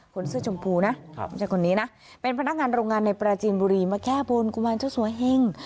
คนเสื้อชมพูนะไม่ใช่คนนี้นะเป็นพนักงานโรงงานในปราจีนบุรีมาแก้บนกุมารเจ้าสัวเฮ่ง